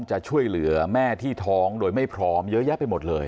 จะช่วยเหลือแม่ที่ท้องโดยไม่พร้อมเยอะแยะไปหมดเลย